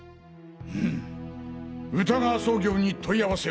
うん歌川総業に問い合わせを。